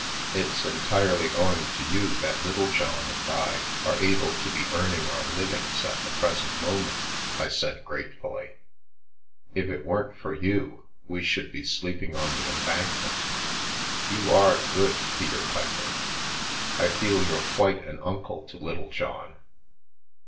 59 The Milky Way " It's entirely owing to you that Little John and I are able to be earning our livings at the present moment/' I said gratefully. " If it weren't for you we should be sleeping on the Embankment. You are good, Peter Piper. I feel you're quite an uncle to Littlejohn."